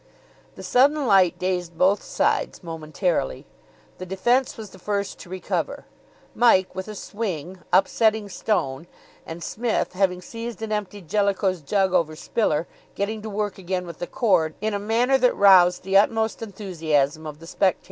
The sudden light dazed both sides momentarily. The defence was the first to recover, Mike, with a swing, upsetting Stone, and Psmith, having seized and emptied Jellicoe's jug over Spiller, getting to work again with the cord in a manner that roused the utmost enthusiasm of the spectators.